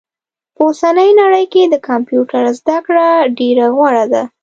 په اوسني نړئ کي د کمپيوټر زده کړه ډيره غوره ده